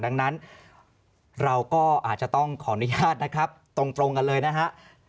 ดังนั้นเราก็อาจจะต้องขออนุญาตนะครับตรงกันเลยนะฮะ